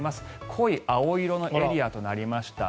濃い青色のエリアとなりました。